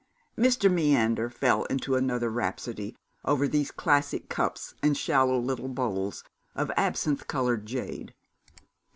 Mr. Meander fell into another rhapsody over those classic cups and shallow little bowls of absinthe coloured jade.